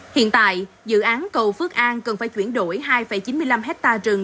hiện tại dự án cầu phước an cần phải chuyển đổi hai chín mươi năm hectare rừng